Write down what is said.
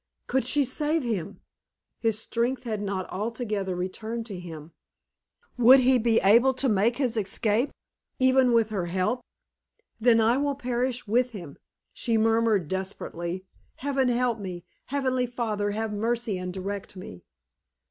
Could she save him? His strength had not altogether returned to him. Would he be able to make his escape, even with her help? "Then I will perish with him!" she murmured, desperately. "Heaven help me! Heavenly Father, have mercy, and direct me!"